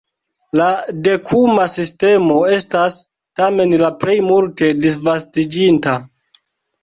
La dekuma sistemo estas tamen la plej multe disvastiĝinta.